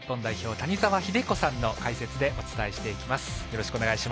谷澤英彦さんの解説で解説でお伝えしていきます。